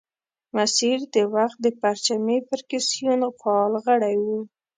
مسیر د وخت د پرچمي فرکسیون فعال غړی وو.